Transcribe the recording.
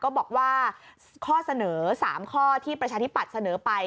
บอกว่าข้อเสนอ๓ข้อที่ประชาธิปัตย์เสนอไป